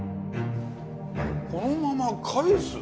このまま帰す？